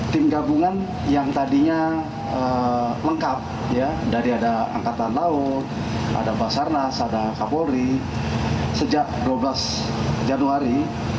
tim gabungan yang tadinya lengkap ya dari ada angkatan laut ada basarnas ada kapolri sejak dua belas januari